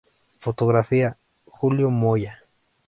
Fotografía: Julio Moya.